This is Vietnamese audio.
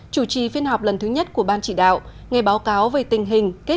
chủ trì phiên họp lần thứ nhất của ban chỉ đạo nghe báo cáo về tình hình kết quả năm năm